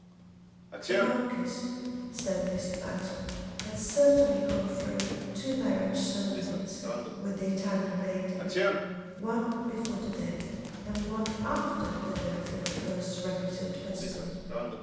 "The Marquis," said Mr. Battle, "had certainly gone through two marriage ceremonies with the Italian lady, one before the death and one after the death of her first reputed husband.